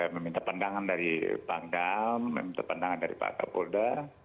meminta pandangan dari pangdam meminta pandangan dari pak kapolda